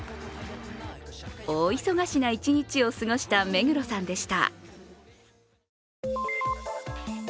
大忙しな一日を過ごした目黒さんでした。